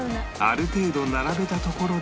ある程度並べたところで